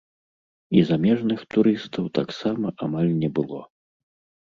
І замежных турыстаў таксама амаль не было.